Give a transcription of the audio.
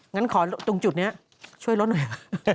งั้นขอตรงจุดนี้ช่วยลดหน่อย